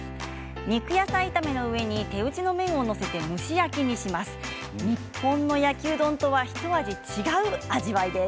肉野菜炒めの上に手打ちの麺を載せて蒸し焼きにします。